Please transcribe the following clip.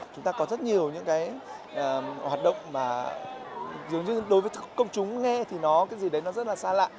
chúng ta có rất nhiều những cái hoạt động mà dường như đối với công chúng nghe thì nó cái gì đấy nó rất là xa lạ